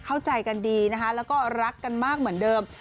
เข้าใจกันดีนะคะแล้วก็รักกันมากเหมือนเดิม